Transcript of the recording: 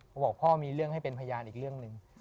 พอบอกว่าพ่อมีให้เป็นพญานอีกเรื่องหนึ่ง